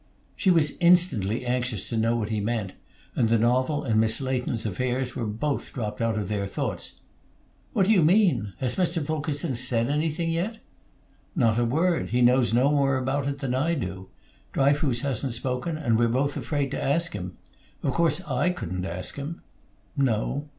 She was instantly anxious to know what he meant, and the novel and Miss Leighton's affair were both dropped out of their thoughts. "What do you mean? Has Mr. Fulkerson said anything yet?" "Not a word. He knows no more about it than I do. Dryfoos hasn't spoken, and we're both afraid to ask him. Of course, I couldn't ask him." "No."